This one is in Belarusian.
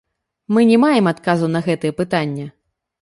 Мы не маем адказу на гэтае пытанне.